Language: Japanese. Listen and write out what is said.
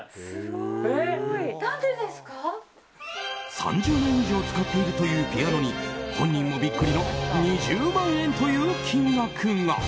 ３０年以上使っているというピアノに本人もビックリの２０万円という金額が。